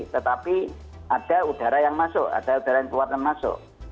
tetapi ada udara yang masuk ada udara yang keluar dan masuk